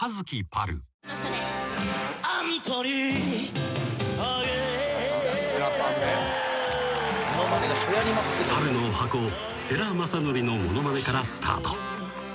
［パルのおはこ世良公則のものまねからスタート］